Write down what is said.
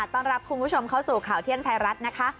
ต้อนรับคุณผู้ชมเข้าสู่ข่าวเที่ยงไทยรัฐนะคะ